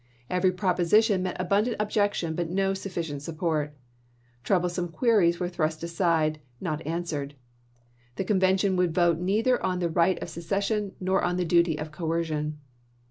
Every proposition met abundant objection but no sufficient support. Troublesome queries were thrust aside, not an swered. The convention would vote neither on the right of secession nor the duty of coercion.